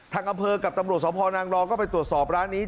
อำเภอกับตำรวจสพนางรองก็ไปตรวจสอบร้านนี้